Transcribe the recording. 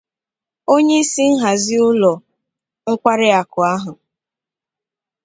onyeisi nhazi ụlọ nkwariakụ ahụ